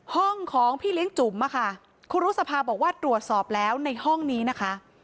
ห้องของพี่เลี้ยงจุ๋มค่ะครูรุษภาบอกว่าตรวจสอบแล้วในห้องนี้นะคะ